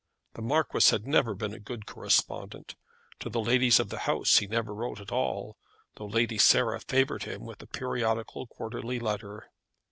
The Marquis had never been a good correspondent. To the ladies of the house he never wrote at all, though Lady Sarah favoured him with a periodical quarterly letter.